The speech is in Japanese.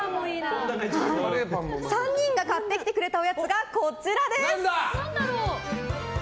３人が買ってきてくれたおやつが、こちらです。